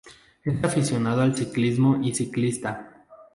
Es aficionado al ciclismo y ciclista.